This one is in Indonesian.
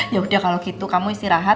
yaudah kalo gitu kamu istirahat